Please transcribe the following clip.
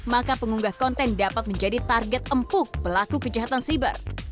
maka pengunggah konten dapat menjadi target empuk pelaku kejahatan siber